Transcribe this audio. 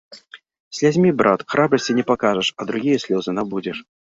Слязьмі, брат, храбрасці не пакажаш, а другія слёзы набудзеш.